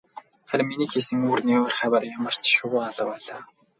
Харин миний хийсэн үүрний ойр хавиар ямарч шувуу алга байлаа.